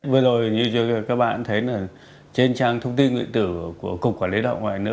vừa rồi như các bạn thấy là trên trang thông tin nguyện tử của cục quản lý đạo ngoại ngữ